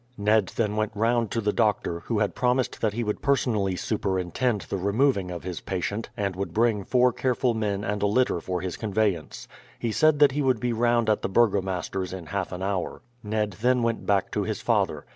Ned then went round to the doctor, who had promised that he would personally superintend the removing of his patient, and would bring four careful men and a litter for his conveyance. He said that he would be round at the burgomaster's in half an hour. Ned then went back to his father.